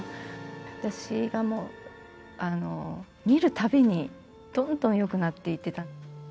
私がもう、見るたびに、どんどんよくなっていってたので。